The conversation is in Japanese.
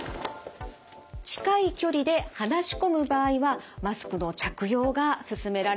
近い距離で話し込む場合はマスクの着用がすすめられます。